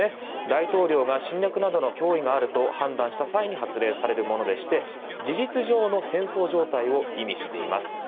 大統領が侵略などの脅威があると判断した際に発令されるものでして事実上の戦争状態を意味しています。